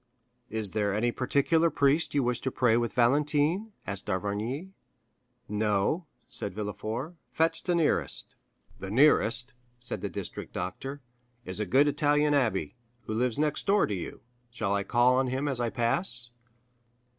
"Is there any particular priest you wish to pray with Valentine?" asked d'Avrigny. "No." said Villefort; "fetch the nearest." "The nearest," said the district doctor, "is a good Italian abbé, who lives next door to you. Shall I call on him as I pass?"